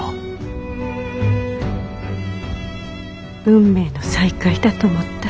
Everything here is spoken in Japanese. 運命の再会だと思った。